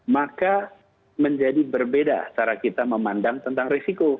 maka menjadi berbeda cara kita memandang tentang risiko